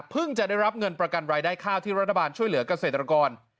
จะได้รับเงินประกันรายได้ข้าวที่รัฐบาลช่วยเหลือกเกษตรกร